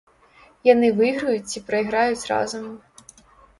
Яны выйграюць ці прайграюць разам.